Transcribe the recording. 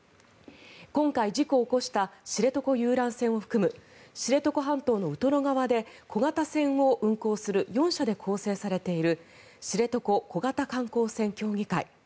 今回、事故を起こした知床遊覧船を含む知床半島のウトロ側で小型船を運航する４社で構成されている知床小型観光船協議会。